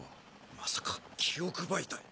まさか記憶媒体。